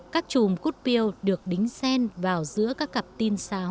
các chùm cút piêu được đính sen vào giữa các cặp tên sáo